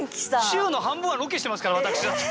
週の半分はロケしてますから私だって。